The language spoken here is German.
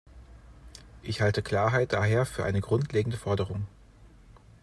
Ich halte Klarheit daher für eine grundlegende Forderung.